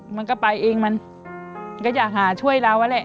มันก็ไปเองมันก็อยากหาช่วยเราอะแหละ